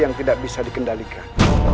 yang tidak bisa dikendalikan